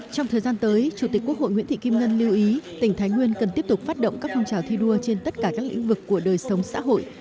trong thời gian tới chủ tịch quốc hội nguyễn thị kim ngân lưu ý tỉnh thái nguyên cần tiếp tục phát động các phong trào thi đua trên tất cả các lĩnh vực của đời sống xã hội